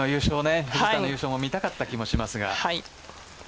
１１年ぶりの優勝を見たかった気もしますが。